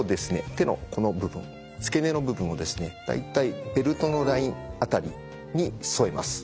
手のこの部分付け根の部分をですね大体ベルトのラインあたりに添えます。